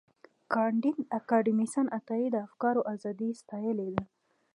کانديد اکاډميسن عطایي د افکارو ازادي ستایلې ده.